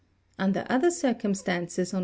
Under other circumstances, on the 11.